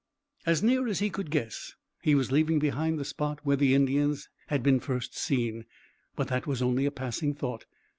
As near as he could guess he was leaving behind the spot where the Indians had been first seen; but that was only a passing thought.